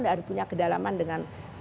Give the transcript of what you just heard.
tidak ada punya kedalaman dengan